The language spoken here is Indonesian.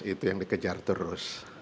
itu yang dikejar terus